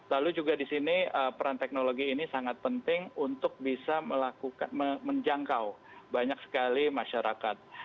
lalu juga di sini peran teknologi ini sangat penting untuk bisa melakukan menjangkau banyak sekali masyarakat